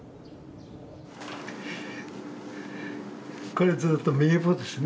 これずっと名簿ですね。